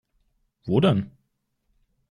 Wo denn?